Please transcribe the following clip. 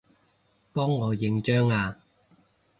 幫我影張吖